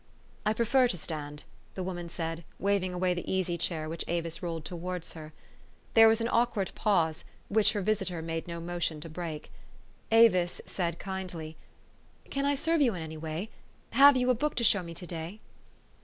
"I prefer to stand," the woman said, waving away the easy chair which Avis rolled towards her. There was an awkward pause, which her visitor made no motion to break. Avis said kindly, " Can I serve you in any way? Have you a book to show me to day?